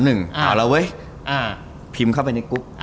เอาละเว้ยพิมพ์เข้าไปในกรุ๊ป